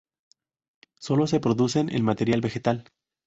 Solo se producen en material vegetal.